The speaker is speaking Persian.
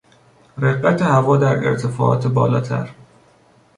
رقت هوا در ارتفاعات بالاتر